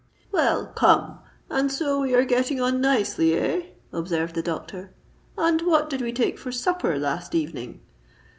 "Well—come—and so we are getting on nicely, eh?" observed the doctor. "And what did we take for supper last evening?"